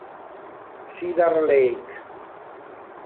Cedar Lake